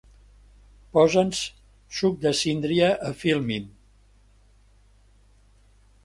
Posa'ns "Suc de síndria" a Filmin.